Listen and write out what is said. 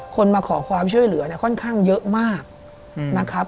มาขอความช่วยเหลือเนี่ยค่อนข้างเยอะมากนะครับ